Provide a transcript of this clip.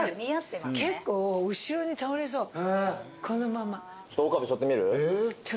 結構後ろに倒れそうこのまま。